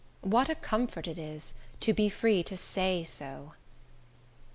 What a comfort it is, to be free to say so!